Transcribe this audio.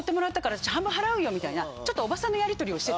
みたいなちょっとおばさんのやりとりをして。